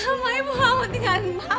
gak mau ibu hamut dengan mama